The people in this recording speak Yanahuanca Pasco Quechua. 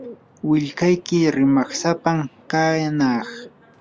willkayki rimaysapam kanaq.